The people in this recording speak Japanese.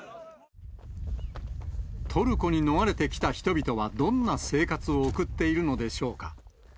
トルコに逃れてきた人々は、どんな生活を送っているのでしょうか。